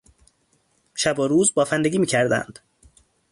شب و روز بافندگی میکردند.